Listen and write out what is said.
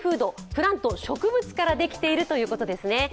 プラント＝植物からできているということですね。